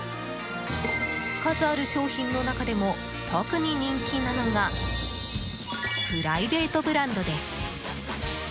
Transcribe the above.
数ある商品の中でも特に人気なのがプライベートブランドです。